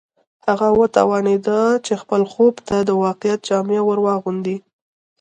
هغه وتوانېد چې خپل خوب ته د واقعیت جامه ور واغوندي